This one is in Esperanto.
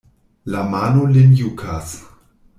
La mano lin jukas.